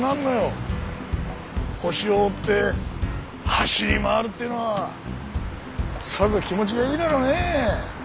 ホシを追って走り回るっていうのはさぞ気持ちがいいだろうねえ。